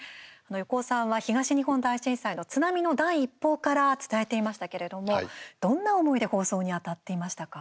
横尾さんは東日本大震災の津波の第一報から伝えていましたけれどもどんな思いで放送にあたっていましたか。